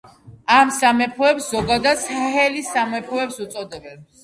ამ სამეფოებს ზოგადად საჰელის სამეფოებს უწოდებენ.